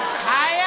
はい。